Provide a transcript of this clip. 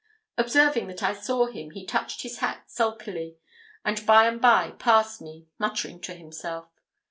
Observing that I saw him, he touched his hat sulkily, and by and by passed me, muttering to himself.